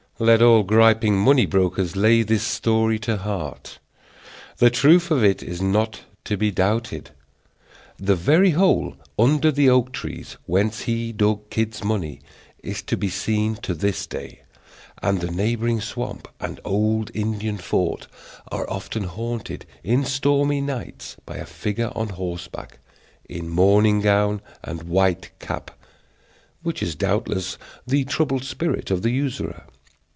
Let all gripping money brokers lay this story to heart. The truth of it is not to be doubted. The very hole under the oak trees, whence he dug Kidd's money, is to be seen to this day; and the neighboring swamp and old Indian fort are often haunted in stormy nights by a figure on horseback, in morning gown and white cap, which is doubtless the troubled spirit of the usurer.